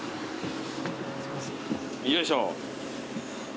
よいしょ。